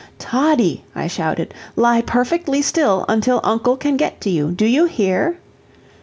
"Toddie," I shouted, "lie perfectly still until uncle can get to you. Do you hear?"